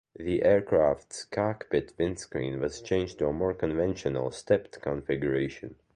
The aircraft's cockpit windscreen was changed to a more conventional "stepped" configuration.